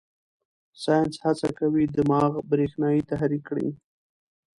ساینس هڅه کوي دماغ برېښنايي تحریک کړي.